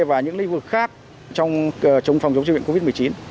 và những lĩnh vực khác trong phòng chống dịch bệnh covid một mươi chín